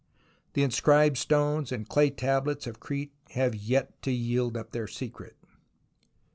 The inscribed stones and clay tablets of Crete have yet to yield up their secret.